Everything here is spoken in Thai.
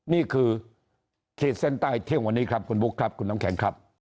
นี่คือขีดเส้นใต้เที่ยงวันนี้ครับคุณบุ๊คครับคุณน้ำแข็งครับ